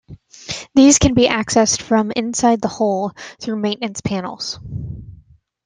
These can be accessed from inside the hull through maintenance panels.